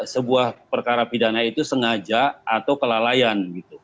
sebuah perkara pidana itu sengaja atau kelalaian